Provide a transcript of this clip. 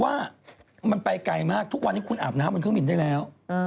ว่ามันไปไกลมากทุกวันนี้คุณอาบน้ำบนเครื่องบินได้แล้ว